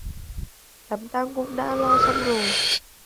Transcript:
Đám tang cũng đã lo xong rồi